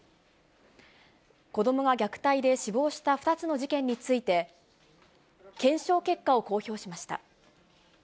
子どもが虐待で死亡した２つの事件について、検証結果を公表しました。